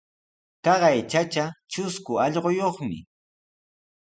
Taqay chacha trusku allquyuqmi.